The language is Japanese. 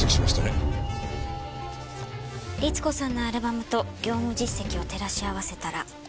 律子さんのアルバムと業務実績を照らし合わせたら。